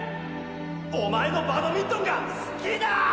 お前のバドミントンが好きだ！